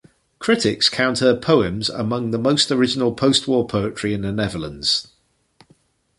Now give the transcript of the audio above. Critics count her poems among the most original postwar poetry in the Netherlands.